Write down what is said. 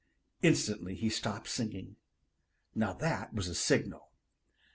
Instantly he stopped singing. Now that was a signal.